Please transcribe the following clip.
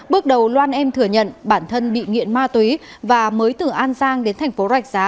bước đầu loan em thừa nhận bản thân bị nghiện ma túy và mới từ an giang đến thành phố rạch giá